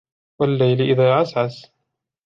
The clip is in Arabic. وَاللَّيْلِ إِذَا عَسْعَسَ